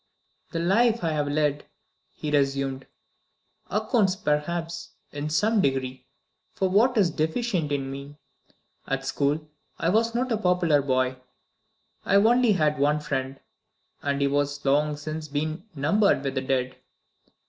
"The life I have led," he resumed, "accounts, perhaps, in some degree, for what is deficient in me. At school, I was not a popular boy; I only made one friend, and he has long since been numbered with the dead.